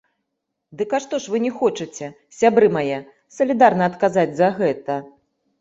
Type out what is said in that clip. Дык а што ж вы не хочаце, сябры мае, салідарна адказаць за гэта?